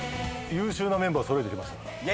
優秀なメンバー揃えてきました。